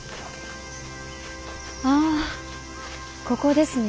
あここですね。